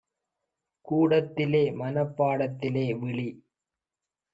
கூடத்திலே மனப் பாடத்திலே - விழி